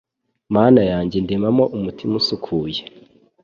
Mana yanjye ndemamo umutima usukuye